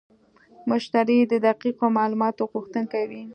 مشتری د دقیقو معلوماتو غوښتونکی وي.